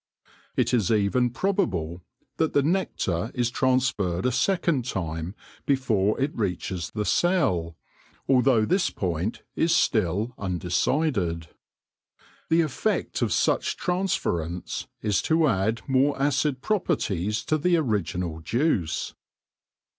It is even probable that the nectar is transferred a second time before it reaches the cell, although this point is still undecided. The effect of such transference is to add more acid properties to the original juice.